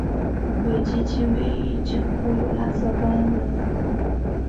尾鳍及尾柄部有蓝色斑纹。